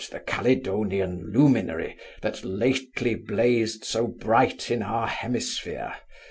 the Caledonian luminary, that lately blazed so bright in our hemisphere!